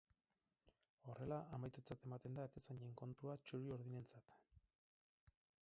Horrela, amaitutzat ematen da atezainen kontua txuri-urdinentzat.